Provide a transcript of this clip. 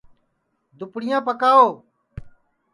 دُپڑِیاں پکاؤ